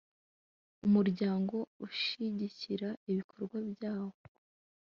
umuryango ushyigikira ibikorwa byawo